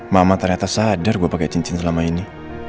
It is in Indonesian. mama ternyata sadar gue pakai cincin selama ini